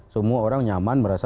semua orang nyaman merasa